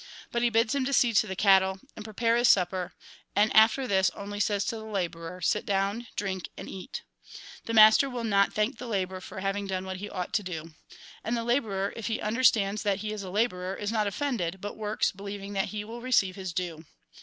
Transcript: But he bids him see to the cattle, and prepare his supper, and after this only says to the labourer :' Sit down, drink and eat.' The master will not thank the labourer for having done what he ought to do. And the labourer, if he under stands that he is a labourer, is not offended, but works, believing that he will receive his due.